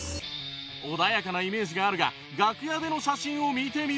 穏やかなイメージがあるが楽屋での写真を見てみると